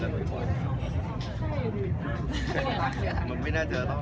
แม่กับผู้วิทยาลัย